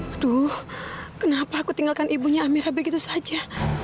aduh kenapa aku tinggalkan ibunya amira begitu saja